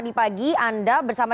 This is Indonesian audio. ketutup mabes mori